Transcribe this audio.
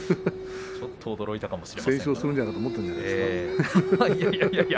ちょっと驚いたかもしれません。